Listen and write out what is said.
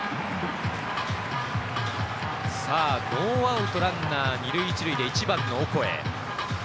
さぁノーアウトランナー２塁１塁でオコエ。